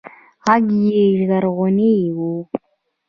ږغ يې ژړغونى و.